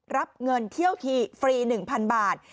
รับเงินเที่ยวฟรี๑๐๐๐บาท